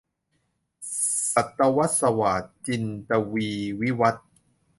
ศตวรรษสวาท - จินตวีร์ วิวัธน์